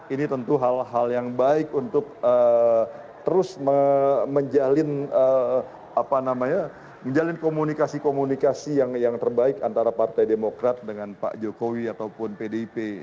ini tentu hal hal yang baik untuk terus menjalin komunikasi komunikasi yang terbaik antara partai demokrat dengan pak jokowi ataupun pdip